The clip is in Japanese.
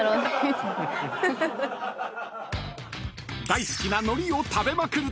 ［大好きなのりを食べまくる！